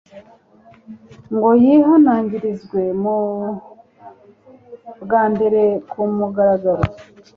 ngo yihanangirizwe bwa mbere ku mugaragaro